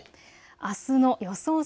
あすの予想